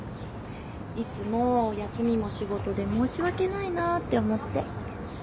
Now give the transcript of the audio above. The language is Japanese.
いつも休みも仕事で申し訳ないなって思って。